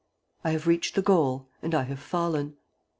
I have reached the goal and I have fallen.